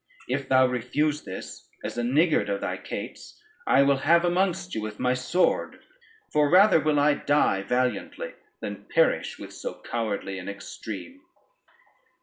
If thou refuse this, as a niggard of thy cates, I will have amongst you with my sword; for rather will I die valiantly, than perish with so cowardly an extreme."